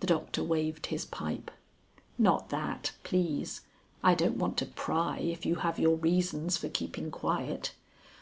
The Doctor waved his pipe. "Not that, please. I don't want to pry if you have your reasons for keeping quiet.